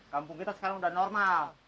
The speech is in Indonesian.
kampung kita sekarang sudah normal